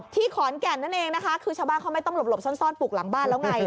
ขอนแก่นนั่นเองนะคะคือชาวบ้านเขาไม่ต้องหลบซ่อนปลูกหลังบ้านแล้วไง